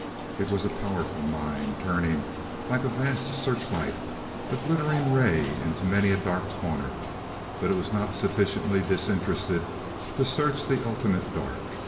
It was a powerful mind, turning, like a vast searchlight, a glittering ray into many a dark corner; but it was not sufficiently disinterested to search the ultimate dark.